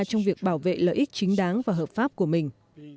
trong việc bảo vệ lợi ích chính đáng và hợp pháp của mình